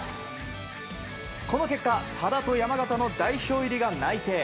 この結果、多田と山縣の代表入りが内定。